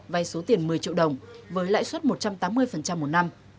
vay số tiền một mươi triệu đồng với lãi suất một trăm tám mươi một năm